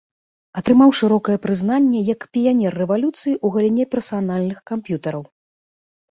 Атрымаў шырокае прызнанне як піянер рэвалюцыі ў галіне персанальных камп'ютараў.